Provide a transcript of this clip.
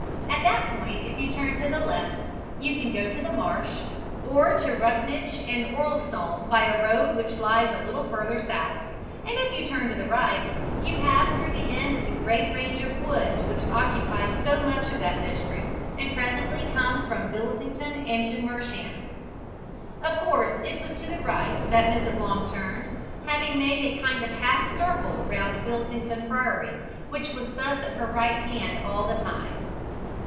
At that point, if you turn to the left you can go to the Marsh, or to Ruckinge and Orlestone by a road which lies a little further south, and if you turn to the right, you pass through the end of the great range of woods which occupy so much of that district, and presently come from Bilsington into Mersham. Of course it was to the right that Mrs. Long turned, having made a kind of half circle round Bilsington Priory, which was thus at her right hand all the time.